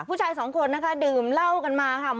ผู้ชายสองคนนะคะดื่มเหล้ากันมาค่ะ